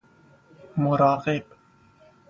مراقب